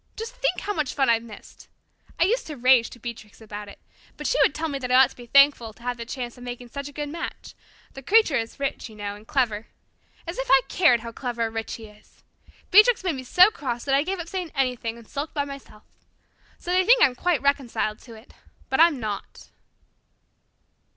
Just think how much fun I've missed! I used to rage to Beatrix about it, but she would tell me that I ought to be thankful to have the chance of making such a good match the Creature is rich, you know, and clever. As if I cared how clever or rich he is! Beatrix made me so cross that I gave up saying anything and sulked by myself. So they think I'm quite reconciled to it, but I'm not."